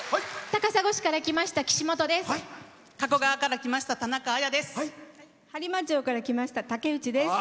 高砂市から来ましたきしもとです。